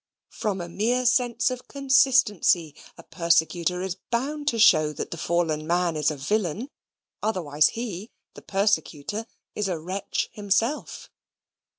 From a mere sense of consistency, a persecutor is bound to show that the fallen man is a villain otherwise he, the persecutor, is a wretch himself.